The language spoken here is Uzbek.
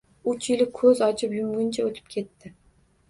Uch yil ko`z ochib yumguncha o`tib ketdi